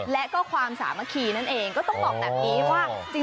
และก็ความสามัคคีนั่นเองก็ต้องบอกแบบนี้ว่า